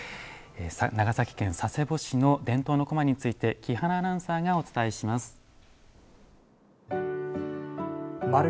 長崎県佐世保市の伝統のこまについて木花アナウンサーがお伝えします。